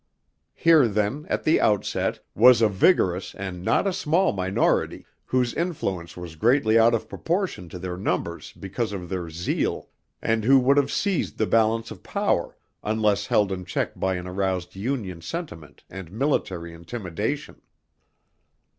Here then, at the outset, was a vigorous and not a small minority, whose influence was greatly out of proportion to their numbers because of their zeal; and who would have seized the balance of power unless held in check by an aroused Union sentiment and military intimidation.